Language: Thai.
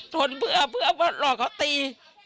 ทนเพื่อเพื่อรอเขาตี